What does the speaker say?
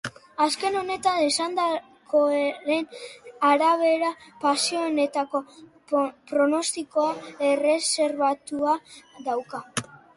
Azken honek esandakoaren arabera, pazienteak pronostiko erreserbatua dauka.